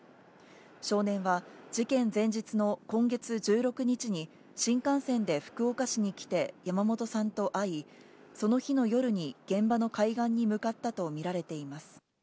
少年は、事件前日の今月１６日に、新幹線で福岡市に来て山本さんと会い、その日の夜に現場の海岸に向かったと見られています。